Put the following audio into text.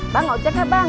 bang ojek ya bang